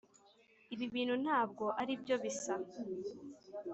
ibi ibintu ntabwo aribyo bisa